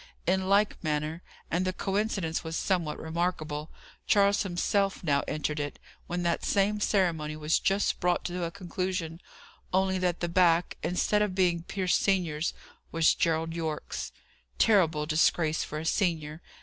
In like manner and the coincidence was somewhat remarkable Charles himself now entered it, when that same ceremony was just brought to a conclusion, only that the back, instead of being Pierce senior's, was Gerald Yorke's. Terrible disgrace for a senior!